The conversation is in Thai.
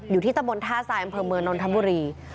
อยู่ที่ตะบนท่าทรายอำเภอเมืองนนทบุรี